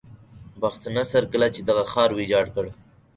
بخت نصر کله چې دغه ښار ویجاړ کړ.